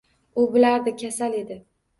U bilardi, kasal edi.